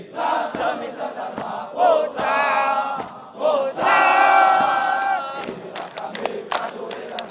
perani patah menyerah